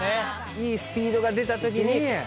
いいスピードが出たときに。